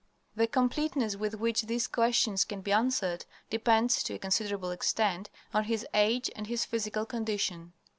The completeness with which these questions can be answered depends, to a considerable extent, on his age and his physical condition.